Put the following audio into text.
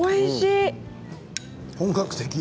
本格的。